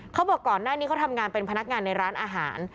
ก่อนหน้านี้เขาทำงานเป็นพนักงานในร้านอาหาร